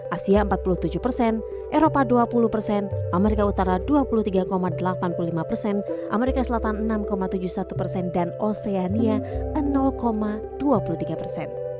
asia empat puluh tujuh persen eropa dua puluh persen amerika utara dua puluh tiga delapan puluh lima persen amerika selatan enam tujuh puluh satu persen dan oceania dua puluh tiga persen